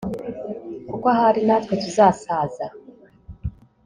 kuko ahari natwe tuzasaza